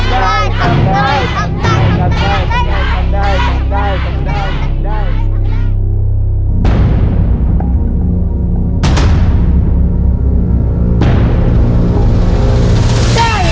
ได้ค่ะได้ค่ะได้ค่ะได้ค่ะได้ค่ะได้ค่ะ